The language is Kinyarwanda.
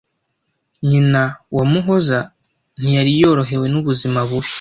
Nyina wa Muhoza ntiyari yorohewe n’ubuzima bubi